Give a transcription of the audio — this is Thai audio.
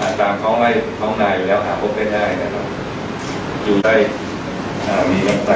อ่าตามข้องไล่ของนายอยู่แล้วหาพวกได้ได้นะครับอยู่ใดอ่ามีลักษณะ